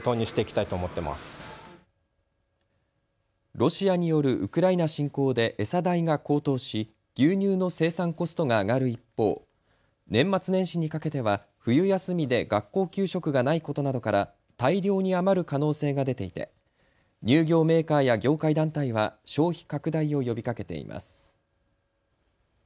ロシアによるウクライナ侵攻で餌代が高騰し牛乳の生産コストが上がる一方、年末年始にかけては冬休みで学校給食がないことなどから大量に余る可能性が出ていて乳業メーカーや業界団体は消費拡大を呼びかけています。